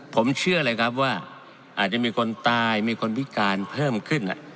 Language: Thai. ผมเชื่อเลยครับว่าอาจจะมีคนตายมีคนพิการเพิ่มขึ้น